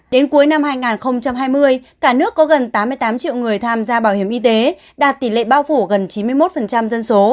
đến cuối năm hai nghìn hai mươi cả nước có gần tám mươi tám triệu người tham gia bảo hiểm y tế đạt tỷ lệ bao phủ gần chín mươi một dân số